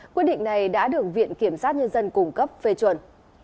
quyết định này đã được viện kiểm sát nhân dân cung cấp phê chuẩn